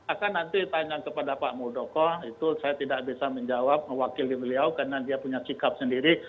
akan nanti tanya kepada pak muldoko itu saya tidak bisa menjawab mewakili beliau karena dia punya sikap sendiri